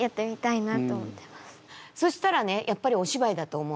そしたらねやっぱりお芝居だと思う。